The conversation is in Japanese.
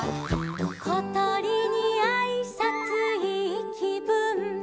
「ことりにあいさついいきぶん」